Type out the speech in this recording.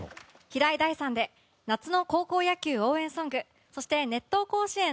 平井大さんで夏の高校野球応援ソングそして、「熱闘甲子園」